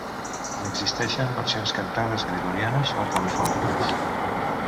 N'existeixen versions cantades gregorianes o polifòniques.